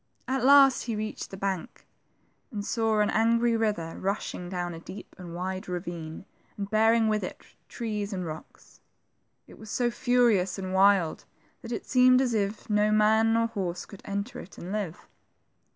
At last he reached the bank, and saw an THE TWO FRINGES. . 73 angry river rushing down a deep and wide ravine, and bearing with it trees and rocks. It was so furious and wild that it seemed as if no man nor horse could enter it and live.